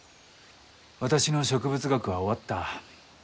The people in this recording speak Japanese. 私の植物学は終わった。